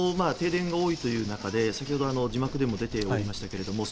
停電が多いという中で先ほど字幕でも出てておりました